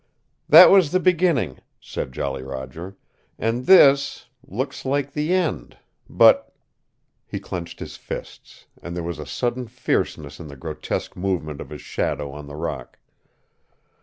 "That was the beginning," said Jolly Roger, "and this looks like the end. But " He clenched his fists, and there was a sudden fierceness in the grotesque movement of his shadow on the rock.